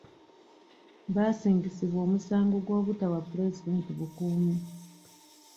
Baasingisibwa omusango bw'obutawa pulezidenti bukuumi.